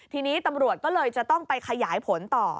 ทีนี้ตำรวจก็เลยจะต้องไปขยายผลต่อ